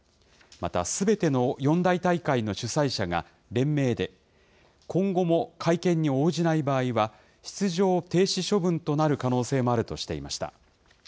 またすべての四大大会の主催者が連名で、今後も会見に応じない場合は、出場停止処分となる可能性もあるとしていました。